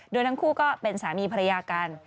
โดยทั้งคู่ก็เป็นสามีภรรยากัน